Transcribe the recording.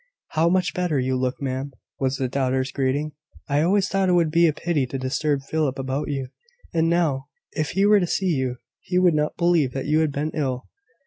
"How much better you look, ma'am!" was the daughter's greeting. "I always thought it would be a pity to disturb Philip about you: and now, if he were to see you, he would not believe that you had been ill.